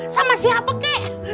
sama si apeke